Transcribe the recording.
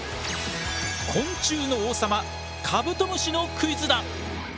昆虫の王様カブトムシのクイズだ！